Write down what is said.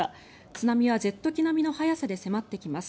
津波はジェット機並みの速さで迫ってきます。